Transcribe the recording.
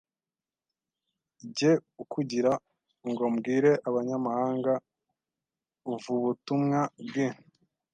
jye u kugira ngo mbwire abanyamahanga v ubutumwa bwi